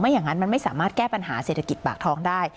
อย่างนั้นมันไม่สามารถแก้ปัญหาเศรษฐกิจปากท้องได้